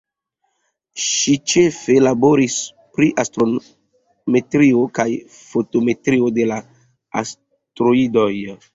Ŝia ĉefe laboris pri astrometrio kaj fotometrio de la asteroidoj.